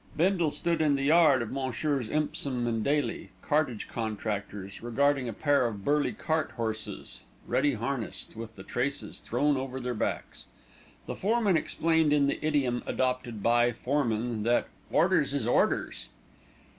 Bindle stood in the yard of Messrs. Empsom & Daley, cartage contractors, regarding a pair of burly cart horses, ready harnessed, with the traces thrown over their backs. The foreman explained in the idiom adopted by foreman that "orders is orders."